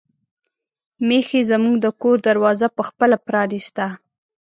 میښې زموږ د کور دروازه په خپله پرانیسته.